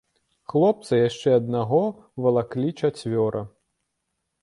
Хлопца яшчэ аднаго валаклі чацвёра.